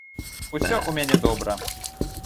Усё ў мяне добра.